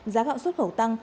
giá gạo xuất khẩu tăng